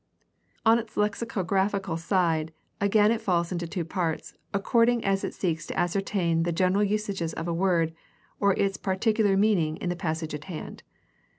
On its lexicographical side again it falls into two parts, according as it seeks to ascertain the general usages of a word or its particular meaning in the passage in hand.